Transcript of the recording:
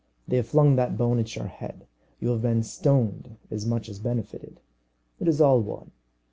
They have flung that bone at your head. You have been stoned as much as benefited. It is all one.